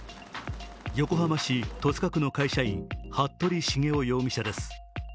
横浜市戸塚区の会社員服部繁雄容疑者です。